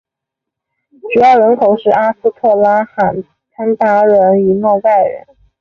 主要人口是阿斯特拉罕鞑靼人与诺盖人。